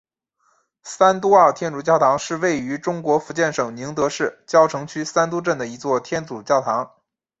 三都澳天主教堂是位于中国福建省宁德市蕉城区三都镇的一座天主教堂。